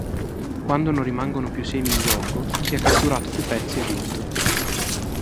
Quando non rimangono più semi in gioco, chi ha catturato più pezzi ha vinto.